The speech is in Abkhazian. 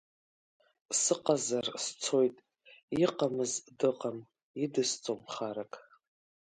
Сыҟазар сцоит, иҟамыз дыҟам, идысҵом харак…